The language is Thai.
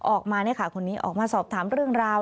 ออกมาคนนี้ค่ะออกมาสอบถามเรื่องราว